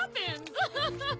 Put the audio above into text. アハハハ！